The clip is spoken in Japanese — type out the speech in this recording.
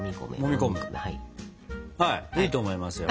はいいいと思いますよ。